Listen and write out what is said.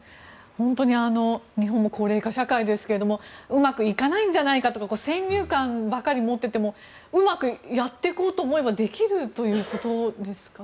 日本も高齢化社会ですけどうまくいかないんじゃないかとか先入観ばかり持っていてもうまくやっていこうと思えばできるということですかね。